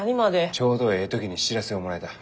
ちょうどえい時に知らせをもらえた。